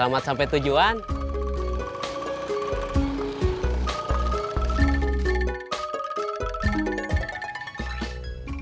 udah baru biar lumayan sediak dia